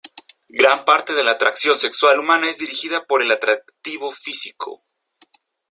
Gran parte de la atracción sexual humana es dirigida por el atractivo físico.